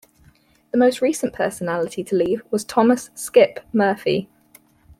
The most recent personality to leave was Thomas "Skip" Murphy.